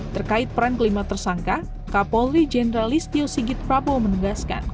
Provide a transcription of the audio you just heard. terkait peran kelima tersangka kapolri jenderal listio sigit prabowo menegaskan